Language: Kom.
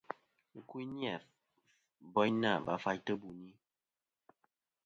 Ɨkuyn ni-a boyna va faytɨ buni.